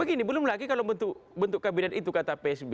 begini belum lagi kalau bentuk kabinet itu kata psb